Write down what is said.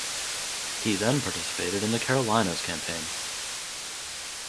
He then participated in the Carolinas Campaign.